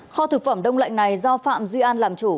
kho thực phẩm đông lạnh này do phạm duy an làm chủ